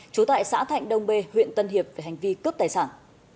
trú tại xã thạnh đông bê huyện tân hiệp về hành vi cướp tài sản